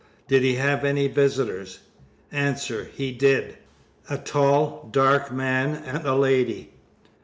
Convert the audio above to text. Did he have any visitors? A. He did. A tall, dark man and a lady.